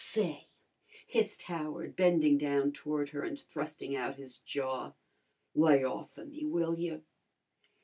"Say," hissed Howard, bending down toward her and thrusting out his jaw, "lay off o' me, will yer?"